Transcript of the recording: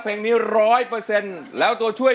เพลงนี้๑๐๐แล้วตัวช่วย